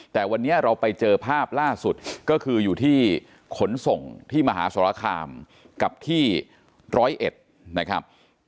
แต่วันนี้เราไปเจอภาพล่าสุดก็คืออยู่ที่ขนส่งที่มหาสรคามกับที่ร้อยเอ็ดนะครับ